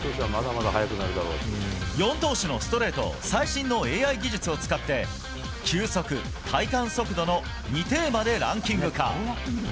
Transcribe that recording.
４投手のストレートを最新のＡＩ技術を使って球速、体感速度の２テーマでランキング化。